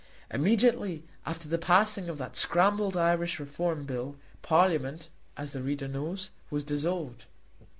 Immediately after the passing of that scrambled Irish Reform Bill, Parliament, as the reader knows, was dissolved.